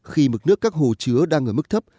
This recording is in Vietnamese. khi mực nước các hồ chứa đang ở mức thấp